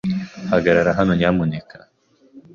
Hagarara hano, nyamuneka.